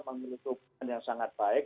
memiliki yang sangat baik